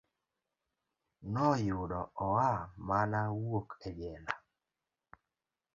Noyudo oa mana wuok e jela.